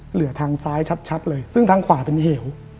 เหลือทางซ้ายชัดเลยซึ่งทางขวาเป็นเหว